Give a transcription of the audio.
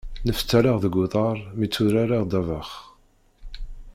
Neftaleɣ deg uḍar mi tturareɣ ddabex.